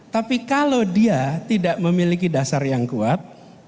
tapi kalau dia tidak memiliki dasar yang kuat